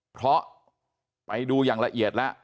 เพราะไปดูอย่างละเอียดแล้ว